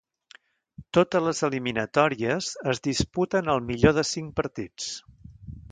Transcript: Totes les eliminatòries es disputen al millor de cinc partits.